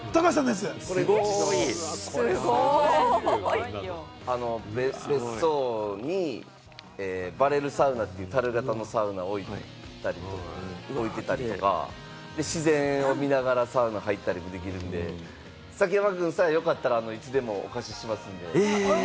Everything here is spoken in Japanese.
すごい！別荘にバレルサウナというたる型のサウナを自然を見ながらサウナに入ったりできるんで、崎山君さえよかったら、いつでもお貸ししますんで。